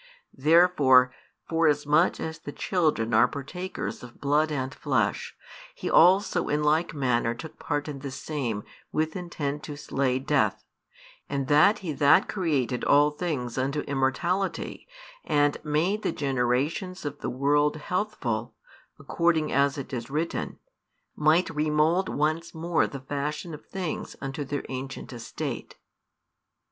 Therefore forasmuch as the children are partakers of blood and flesh, He also in like manner took part in the same with intent to slay Death, and that He that created all things unto immortality and made the generations of the world healthful, according as it is written, might remould once more the fashion of things unto their ancient estate.